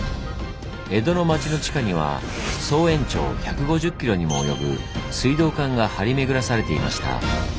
江戸の町の地下には総延長１５０ｋｍにも及ぶ水道管が張り巡らされていました。